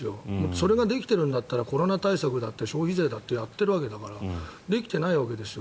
それができてるんだったらコロナ対策だって消費税だってやっているわけだからできていないわけですよ。